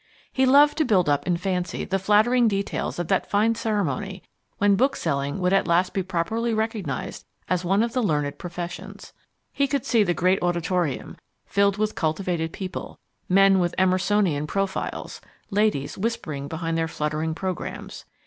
He loved to build up in fancy the flattering details of that fine ceremony when bookselling would at last be properly recognized as one of the learned professions. He could see the great auditorium, filled with cultivated people: men with Emersonian profiles, ladies whispering behind their fluttering programmes.